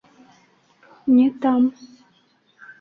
Не там...